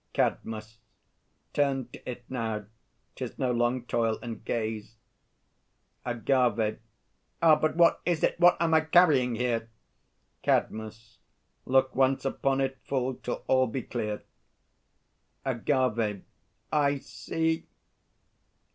CADMUS. Turn to it now 'tis no long toil and gaze. AGAVE. Ah! But what is it? What am I carrying here? CADMUS. Look once upon it full, till all be clear! AGAVE. I see